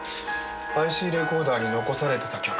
ＩＣレコーダーに残されてた曲。